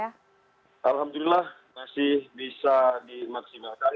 alhamdulillah masih bisa dimaksimalkan